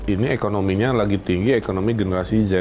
ini ekonominya lagi tinggi ekonomi generasi z